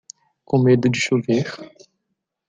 Com medo de chover?